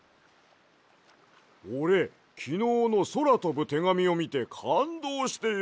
おれきのうのそらとぶてがみをみてかんどうしてよ